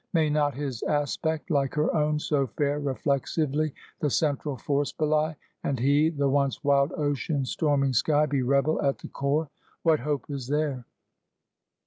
May not his aspect, like her own so fair Reflexively, the central force belie, And he, the once wild ocean storming sky, Be rebel at the core? What hope is there?